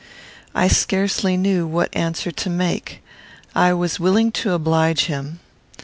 I scarcely knew what answer to make. I was willing to oblige him.